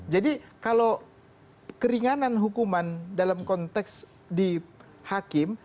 jadi kalau keringanan hukuman dalam konteks dihakim